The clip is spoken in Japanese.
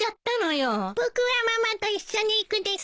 僕はママと一緒に行くです。